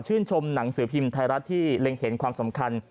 ชมหนังสือพิมพ์ไทยรัฐที่เล็งเห็นความสำคัญ